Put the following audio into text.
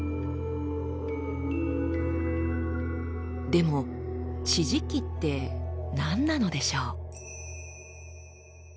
でも地磁気って何なのでしょう？